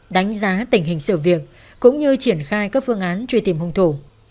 đánh giá tình hình sự việc cũng như triển khai các phương án truy tìm hung thủ